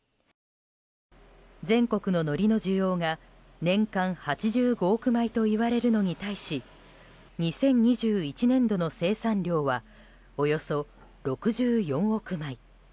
全国の、のりの需要が年間８５億枚といわれるのに対し２０２１年度の生産量はおよそ６４億枚。